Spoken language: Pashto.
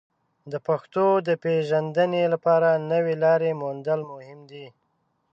د پښتو د پیژندنې لپاره نوې لارې موندل مهم دي.